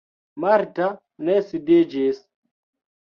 Marta ne sidiĝis.